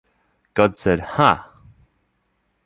God Said Ha!